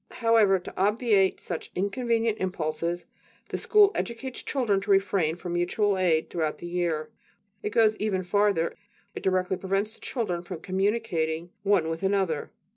However, to obviate such inconvenient impulses, school educates children to refrain from mutual aid throughout the year. It goes even farther: it directly prevents the children from communicating one with another.